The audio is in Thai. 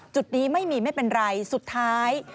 จุดนี้ไม่มีไม่เป็นไรสุดท้าย